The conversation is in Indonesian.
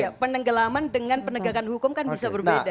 ya penenggelaman dengan penegakan hukum kan bisa berbeda